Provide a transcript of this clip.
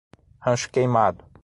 Rancho Queimado